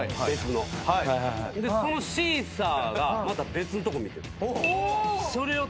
そのシーサーがまた別んとこ見てる。